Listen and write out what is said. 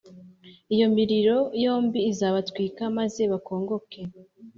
iyo miriro yombi izabatwika maze bakongoke,